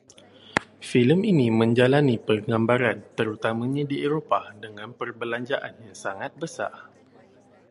Filem ini menjalani penggambaran terutamanya di Eropah, dengan perbelanjaan yang sangat besar